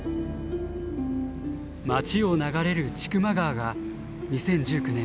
町を流れる千曲川が２０１９年